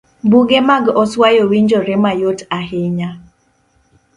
Buge mag oswayo winjore mayot ahinya.